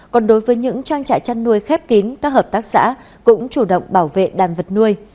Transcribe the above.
còn đối với những trang trại chăn nuôi khép kín các hợp tác xã cũng chủ động bảo vệ đàn vật nuôi